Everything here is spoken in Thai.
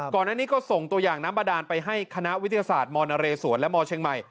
ก่อนอันนี้ก็ส่งตัวอย่างน้ำบาดานไปให้คณะวิทยาศาสตร์มนเรศวรและมเชียงใหม่